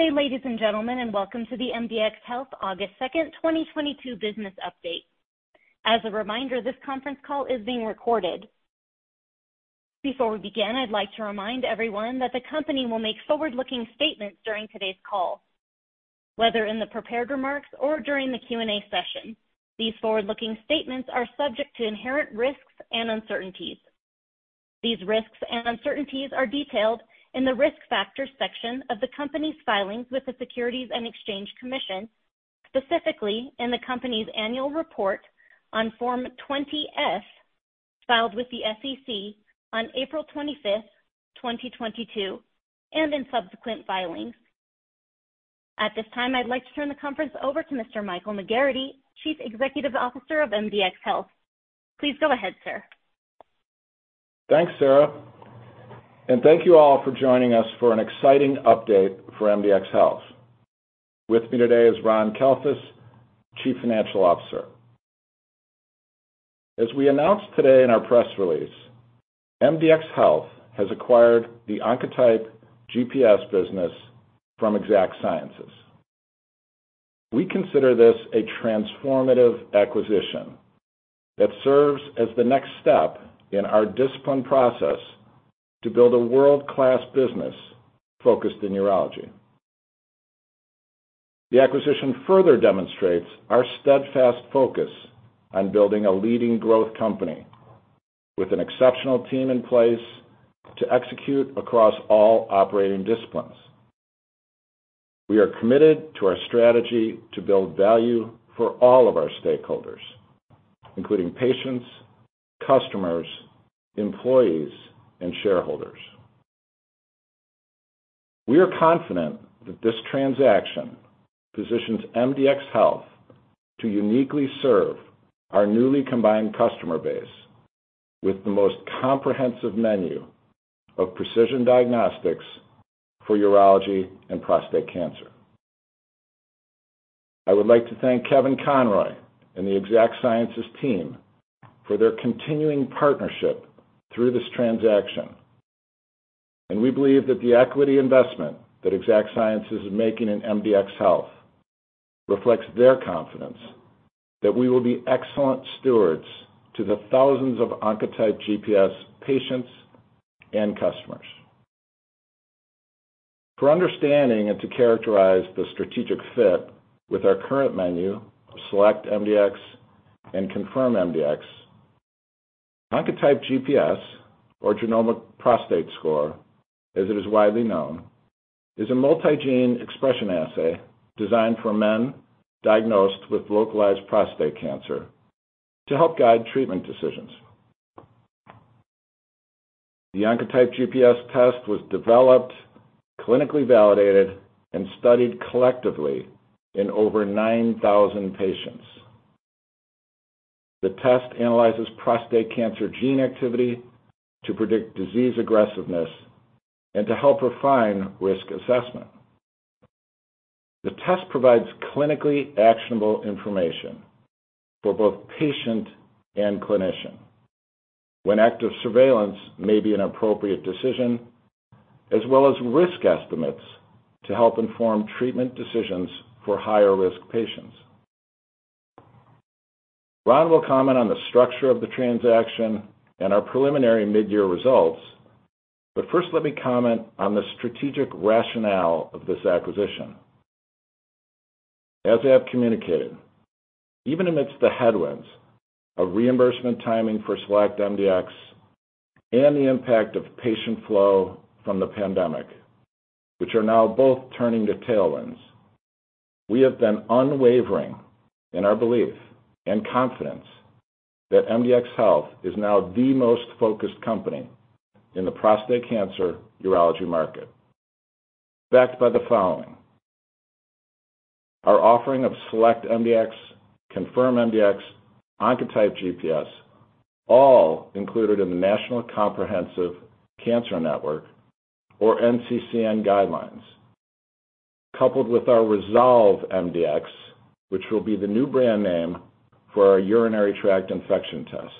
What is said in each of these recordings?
Good day, ladies and gentlemen, and welcome to the MDxHealth August Second, 2022 business update. As a reminder, this conference call is being recorded. Before we begin, I'd like to remind everyone that the company will make forward-looking statements during today's call, whether in the prepared remarks or during the Q&A session. These forward-looking statements are subject to inherent risks and uncertainties. These risks and uncertainties are detailed in the Risk Factors section of the company's filings with the Securities and Exchange Commission, specifically in the company's annual report on Form 20-F filed with the SEC on April 25, 2022, and in subsequent filings. At this time, I'd like to turn the conference over to Mr. Michael McGarrity, Chief Executive Officer of MDxHealth. Please go ahead, sir. Thanks, Sarah, and thank you all for joining us for an exciting update for MDxHealth. With me today is Ron Kalfus, Chief Financial Officer. As we announced today in our press release, MDxHealth has acquired the Oncotype DX GPS business from Exact Sciences. We consider this a transformative acquisition that serves as the next step in our disciplined process to build a world-class business focused in urology. The acquisition further demonstrates our steadfast focus on building a leading growth company with an exceptional team in place to execute across all operating disciplines. We are committed to our strategy to build value for all of our stakeholders, including patients, customers, employees, and shareholders. We are confident that this transaction positions MDxHealth to uniquely serve our newly combined customer base with the most comprehensive menu of precision diagnostics for urology and prostate cancer. I would like to thank Kevin Conroy and the Exact Sciences team for their continuing partnership through this transaction. We believe that the equity investment that Exact Sciences is making in MDxHealth reflects their confidence that we will be excellent stewards to the thousands of Oncotype DX GPS patients and customers. For understanding and to characterize the strategic fit with our current menu of SelectMDx and ConfirmMDx, Oncotype DX GPS or Genomic Prostate Score, as it is widely known, is a multi-gene expression assay designed for men diagnosed with localized prostate cancer to help guide treatment decisions. The Oncotype DX GPS test was developed, clinically validated, and studied collectively in over 9,000 patients. The test analyzes prostate cancer gene activity to predict disease aggressiveness and to help refine risk assessment. The test provides clinically actionable information for both patient and clinician when active surveillance may be an appropriate decision, as well as risk estimates to help inform treatment decisions for higher-risk patients. Ron will comment on the structure of the transaction and our preliminary mid-year results. First, let me comment on the strategic rationale of this acquisition. As I have communicated, even amidst the headwinds of reimbursement timing for SelectMDx and the impact of patient flow from the pandemic, which are now both turning to tailwinds, we have been unwavering in our belief and confidence that MDxHealth is now the most focused company in the prostate cancer urology market, backed by the following. Our offering of SelectMDx, ConfirmMDx, Oncotype DX GPS, all included in the National Comprehensive Cancer Network or NCCN guidelines, coupled with our ResolveMDx, which will be the new brand name for our urinary tract infection test,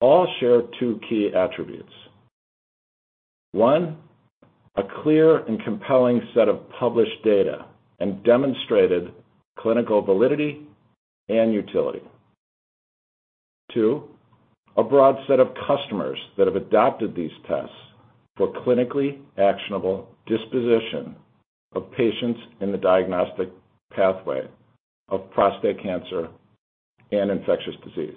all share two key attributes. One, a clear and compelling set of published data and demonstrated clinical validity and utility. Two, a broad set of customers that have adopted these tests for clinically actionable disposition of patients in the diagnostic pathway of prostate cancer and infectious disease.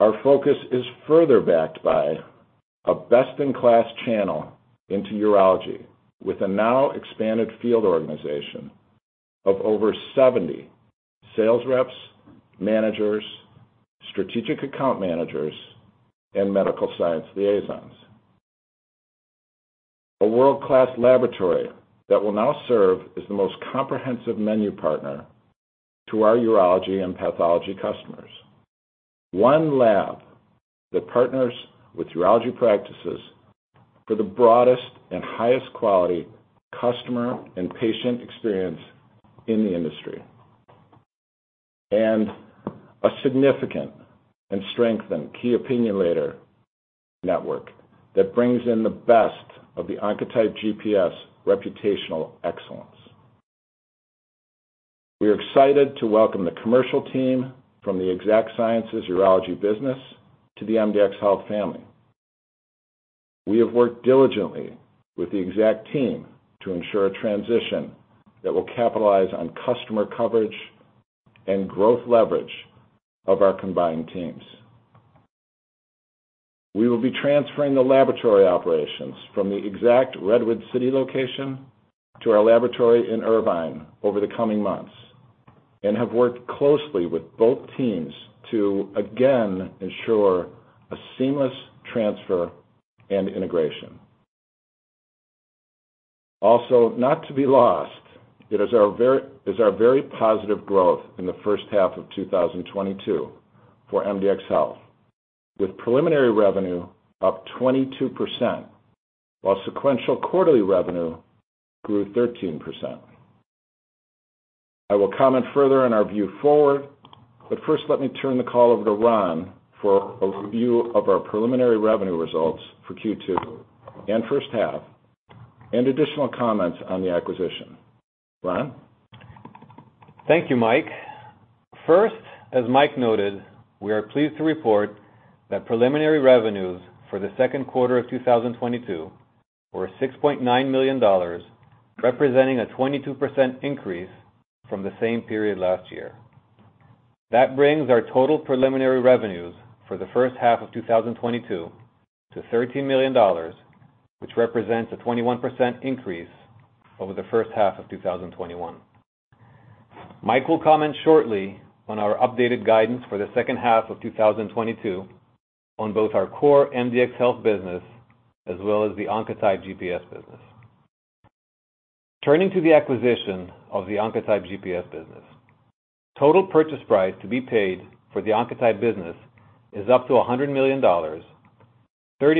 Our focus is further backed by a best-in-class channel into urology with a now expanded field organization of over 70 sales reps, managers, strategic account managers, and medical science liaisons. A world-class laboratory that will now serve as the most comprehensive menu partner to our urology and pathology customers. One lab that partners with urology practices for the broadest and highest quality customer and patient experience in the industry. A significant and strengthened key opinion leader network that brings in the best of the Oncotype GPS reputational excellence. We are excited to welcome the commercial team from the Exact Sciences urology business to the MDxHealth family. We have worked diligently with the Exact team to ensure a transition that will capitalize on customer coverage and growth leverage of our combined teams. We will be transferring the laboratory operations from the Exact Redwood City location to our laboratory in Irvine over the coming months, and have worked closely with both teams to again ensure a seamless transfer and integration. Also, not to be lost, it is our very positive growth in the first half of 2022 for MDxHealth, with preliminary revenue up 22%, while sequential quarterly revenue grew 13%. I will comment further on our view forward, but first, let me turn the call over to Ron for overview of our preliminary revenue results for Q2 and first half, and additional comments on the acquisition. Ron? Thank you, Mike. First, as Mike noted, we are pleased to report that preliminary revenues for the second quarter of 2022 were $6.9 million, representing a 22% increase from the same period last year. That brings our total preliminary revenues for the first half of 2022 to $13 million, which represents a 21% increase over the first half of 2021. Mike will comment shortly on our updated guidance for the second half of 2022 on both our core MDxHealth business as well as the Oncotype DX GPS business. Turning to the acquisition of the Oncotype GPS business, total purchase price to be paid for the Oncotype business is up to $100 million, $30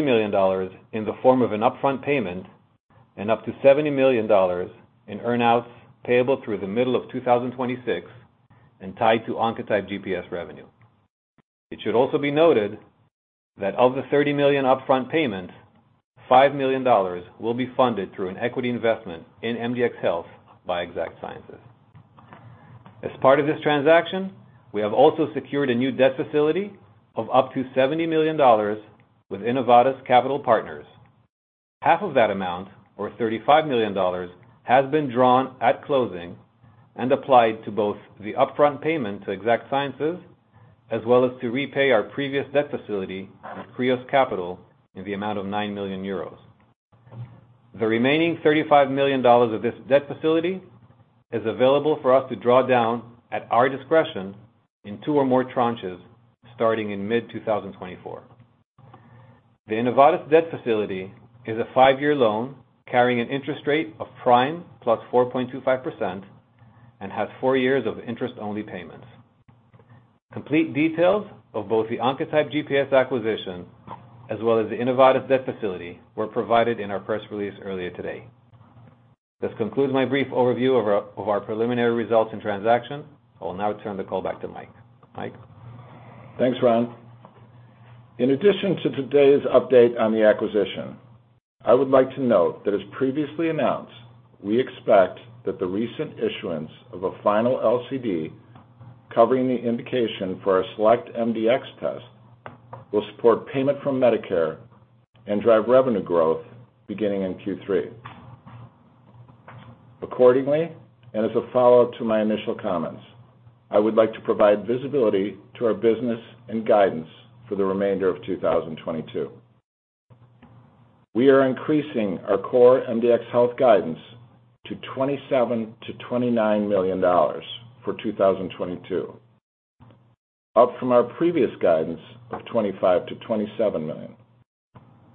million in the form of an upfront payment, and up to $70 million in earn-outs payable through the middle of 2026 and tied to Oncotype GPS revenue. It should also be noted that of the $30 million upfront payment, $5 million will be funded through an equity investment in MDxHealth by Exact Sciences. As part of this transaction, we have also secured a new debt facility of up to $70 million with Innovatus Capital Partners. Half of that amount, or $35 million, has been drawn at closing and applied to both the upfront payment to Exact Sciences, as well as to repay our previous debt facility with Kreos Capital in the amount of 9 million euros. The remaining $35 million of this debt facility is available for us to draw down at our discretion in two or more tranches starting in mid-2024. The Innovatus debt facility is a Five-year loan carrying an interest rate of prime plus 4.25% and has Four years of interest-only payments. Complete details of both the Oncotype DX GPS acquisition as well as the Innovatus debt facility were provided in our press release earlier today. This concludes my brief overview of our preliminary results and transaction. I will now turn the call back to Mike. Mike? Thanks, Ron. In addition to today's update on the acquisition, I would like to note that as previously announced, we expect that the recent issuance of a final LCD covering the indication for our SelectMDx test will support payment from Medicare and drive revenue growth beginning in Q3. Accordingly, and as a follow-up to my initial comments, I would like to provide visibility to our business and guidance for the remainder of 2022. We are increasing our core MDxHealth guidance to $27 million-$29 million for 2022, up from our previous guidance of $25 million-$27 million,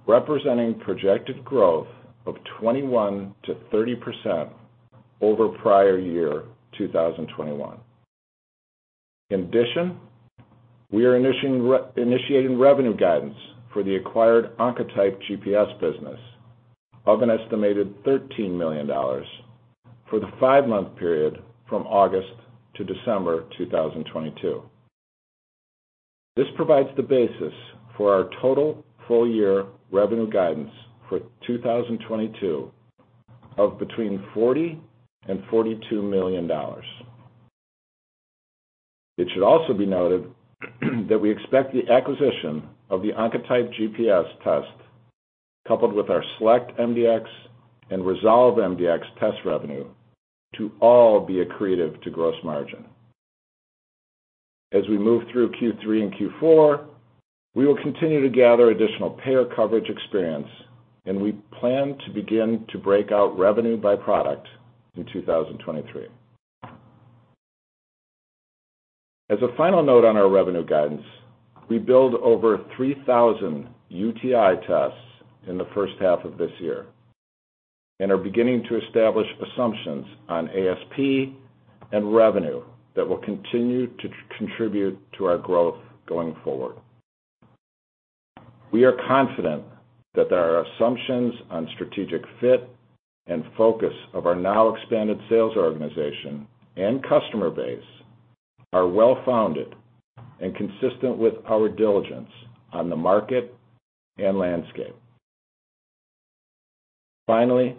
representing projected growth of 21%-30% over prior year 2021. In addition, we are initiating revenue guidance for the acquired Oncotype DX GPS business of an estimated $13 million for the five-month period from August to December 2022. This provides the basis for our total full year revenue guidance for 2022 of between $40 million-$42 million. It should also be noted that we expect the acquisition of the Oncotype DX GPS test, coupled with our SelectMDx and ResolveMDx test revenue, to all be accretive to gross margin. As we move through Q3 and Q4, we will continue to gather additional payer coverage experience, and we plan to begin to break out revenue by product in 2023. As a final note on our revenue guidance, we billed over 3,000 UTI tests in the first half of this year and are beginning to establish assumptions on ASP and revenue that will continue to contribute to our growth going forward. We are confident that our assumptions on strategic fit and focus of our now expanded sales organization and customer base are well founded and consistent with our diligence on the market and landscape. Finally,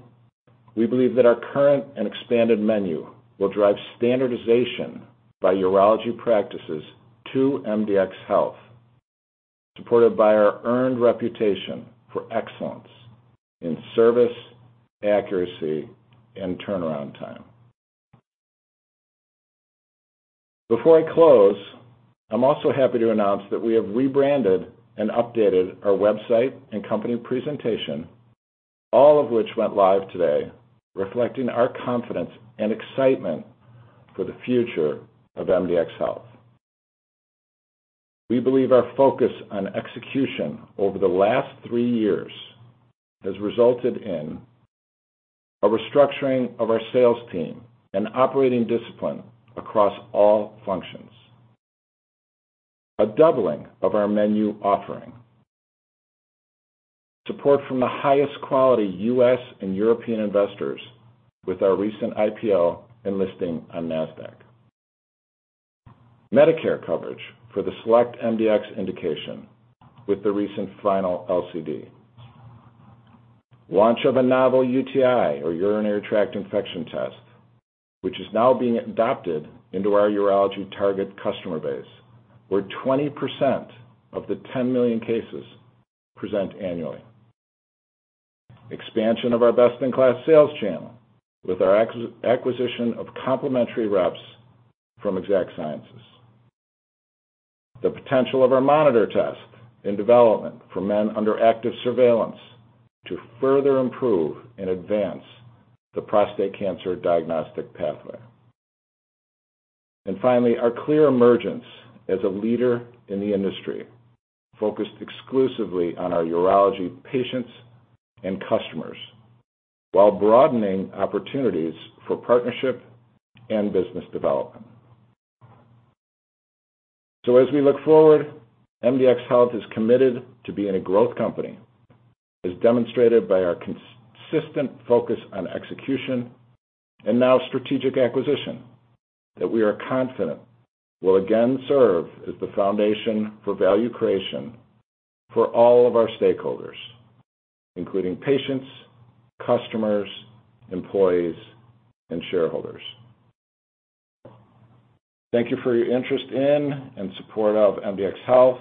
we believe that our current and expanded menu will drive standardization by urology practices to MDxHealth, supported by our earned reputation for excellence in service, accuracy, and turnaround time. Before I close, I'm also happy to announce that we have rebranded and updated our website and company presentation, all of which went live today, reflecting our confidence and excitement for the future of MDxHealth. We believe our focus on execution over the last three years has resulted in a restructuring of our sales team and operating discipline across all functions. A doubling of our menu offering. Support from the highest quality U.S. and European investors with our recent IPO and listing on Nasdaq. Medicare coverage for the SelectMDx indication with the recent final LCD. Launch of a novel UTI, or urinary tract infection test, which is now being adopted into our urology target customer base, where 20% of the 10 million cases present annually. Expansion of our best-in-class sales channel with our acquisition of complementary reps from Exact Sciences. The potential of our MonitorMDx in development for men under active surveillance to further improve and advance the prostate cancer diagnostic pathway. Finally, our clear emergence as a leader in the industry focused exclusively on our urology patients and customers while broadening opportunities for partnership and business development. As we look forward, MDxHealth is committed to being a growth company, as demonstrated by our consistent focus on execution and now strategic acquisition that we are confident will again serve as the foundation for value creation for all of our stakeholders, including patients, customers, employees, and shareholders. Thank you for your interest in and support of MDxHealth.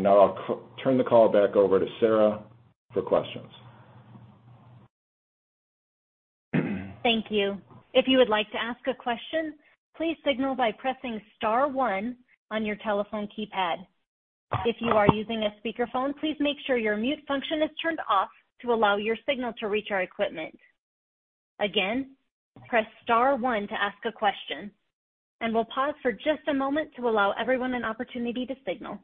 Now I'll turn the call back over to Sarah for questions. Thank you. If you would like to ask a question, please signal by pressing star one on your telephone keypad. If you are using a speakerphone, please make sure your mute function is turned off to allow your signal to reach our equipment. Again, press star one to ask a question, and we'll pause for just a moment to allow everyone an opportunity to signal.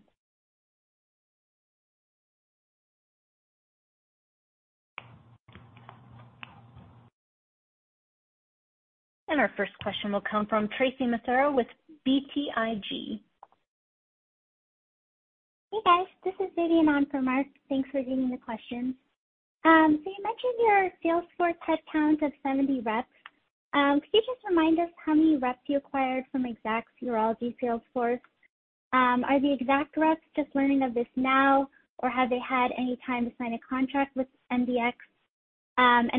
Our first question will come from Mark Massaro with BTIG. Hey, guys. This is Vidyun on for Mark Massaro. Thanks for getting the question. You mentioned your sales force headcount of 70 reps. Could you just remind us how many reps you acquired from Exact Sciences' urology sales force? Are the Exact Sciences reps just learning of this now, or have they had any time to sign a contract with MDx?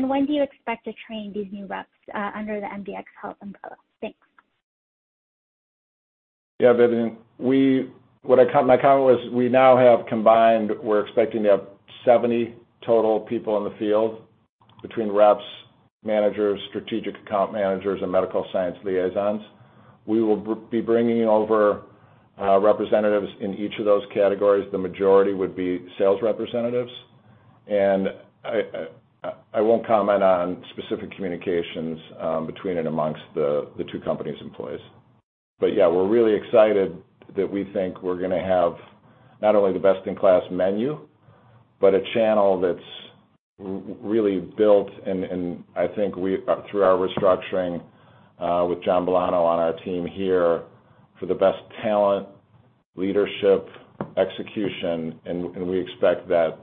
When do you expect to train these new reps under the MDxHealth umbrella? Thanks. Yeah, Vidyun. My comment was we now have combined. We're expecting to have 70 total people in the field between reps, managers, strategic account managers, and medical science liaisons. We will be bringing over representatives in each of those categories. The majority would be sales representatives. I won't comment on specific communications between and amongst the two companies' employees. Yeah, we're really excited that we think we're gonna have not only the best-in-class menu, but a channel that's really built, and I think we through our restructuring with John Bonello on our team here for the best talent, leadership, execution, and we expect that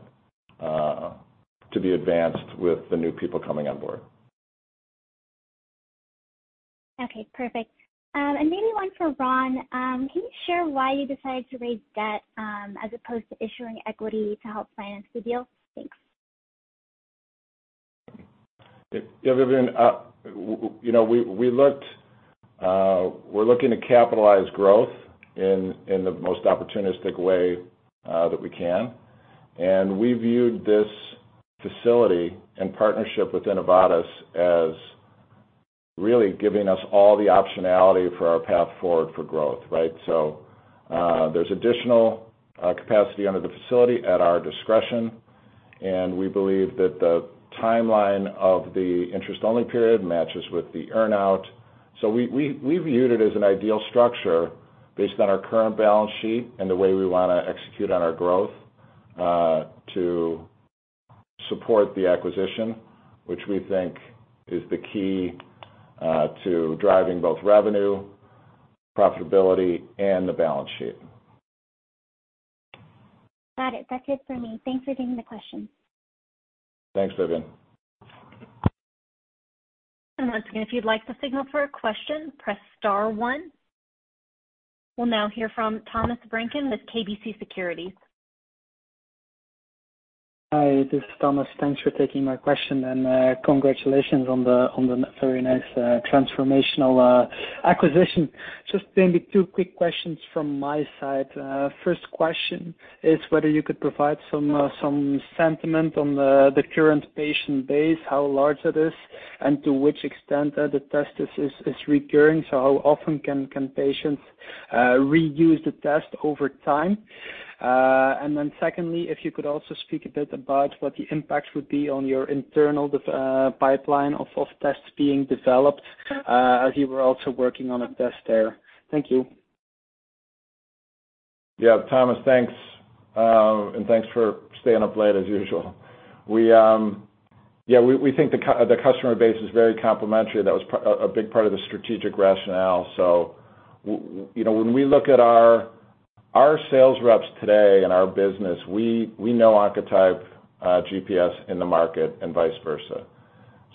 to be advanced with the new people coming on board. Okay, perfect. Maybe one for Ron. Can you share why you decided to raise debt, as opposed to issuing equity to help finance the deal? Thanks. Yeah, Vidyun. You know, we looked. We're looking to capitalize growth in the most opportunistic way that we can. We viewed this facility and partnership with Innovatus as really giving us all the optionality for our path forward for growth, right? There's additional capacity under the facility at our discretion, and we believe that the timeline of the interest-only period matches with the earn-out. We viewed it as an ideal structure based on our current balance sheet and the way we wanna execute on our growth to support the acquisition, which we think is the key to driving both revenue, profitability, and the balance sheet. Got it. That's it for me. Thanks for taking the question. Thanks, Vidyun. Once again, if you'd like to signal for a question, press star one. We'll now hear from Thomas Vranken with KBC Securities. Hi, this is Thomas. Thanks for taking my question, and congratulations on the very nice transformational acquisition. Just maybe two quick questions from my side. First question is whether you could provide some sentiment on the current patient base, how large it is, and to which extent the test is recurring. So how often can patients reuse the test over time? Secondly, if you could also speak a bit about what the impact would be on your internal pipeline of tests being developed, as you were also working on a test there. Thank you. Yeah. Thomas, thanks, and thanks for staying up late as usual. We think the customer base is very complementary. That was a big part of the strategic rationale. You know, when we look at our sales reps today and our business, we know Oncotype DX GPS in the market and vice versa.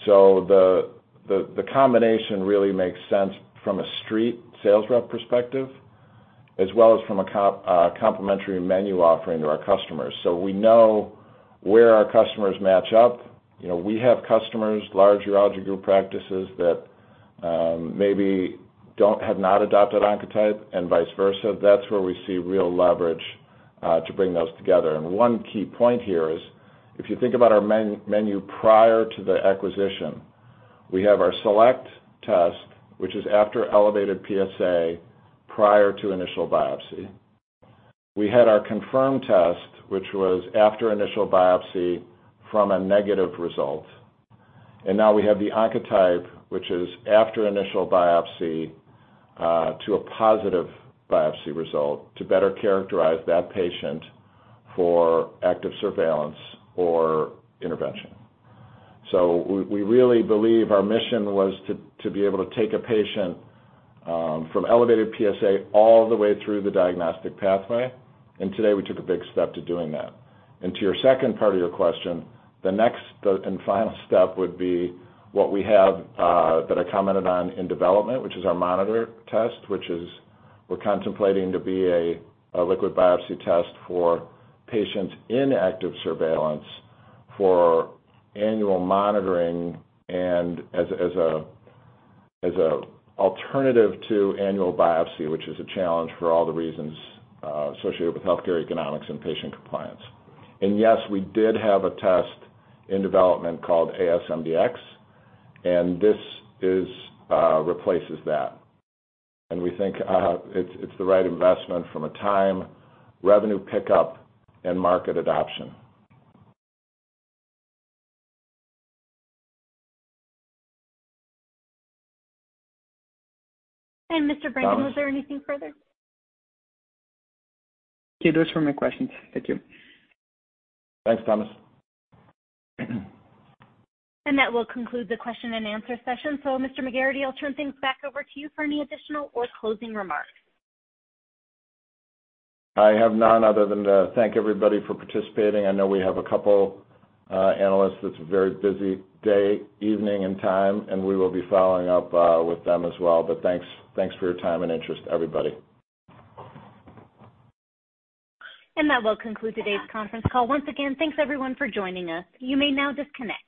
The combination really makes sense from a sales rep perspective as well as from a complementary menu offering to our customers. We know where our customers match up. You know, we have customers, large urology group practices that maybe have not adopted Oncotype DX and vice versa. That's where we see real leverage to bring those together. One key point here is if you think about our menu prior to the acquisition, we have our SelectMdx, which is after elevated PSA, prior to initial biopsy. We had our ConfirmMDx, which was after initial biopsy from a negative result. Now we have the Oncotype DX GPS, which is after initial biopsy to a positive biopsy result to better characterize that patient for active surveillance or intervention. We really believe our mission was to be able to take a patient from elevated PSA all the way through the diagnostic pathway. Today we took a big step to doing that. To your second part of your question, the next and final step would be what we have that I commented on in development, which is our Monitor mdx, which we're contemplating to be a liquid biopsy test for patients in active surveillance for annual monitoring and as an alternative to annual biopsy, which is a challenge for all the reasons associated with healthcare economics and patient compliance. Yes, we did have a test in development called AssureMDx, and this replaces that. We think it's the right investment from a time, revenue pickup and market adoption. Mr. Vranken. Thomas. Was there anything further? Okay, those were my questions. Thank you. Thanks, Thomas. That will conclude the question and answer session. Mr. McGarrity, I'll turn things back over to you for any additional or closing remarks. I have none other than to thank everybody for participating. I know we have a couple analysts. It's a very busy day, evening, and time, and we will be following up with them as well. Thanks for your time and interest, everybody. That will conclude today's conference call. Once again, thanks everyone for joining us. You may now disconnect.